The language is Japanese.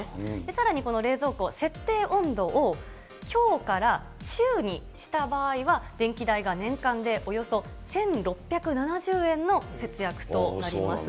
さらにこの冷蔵庫、設定温度を強から中にした場合は、電気代が年間でおよそ１６７０円の節約となります。